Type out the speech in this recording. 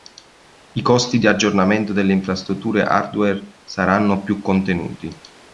I costi di aggiornamento dell'infrastruttura hardware saranno più contenuti.